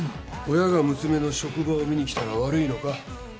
親が娘の職場を見にきたら悪いのか？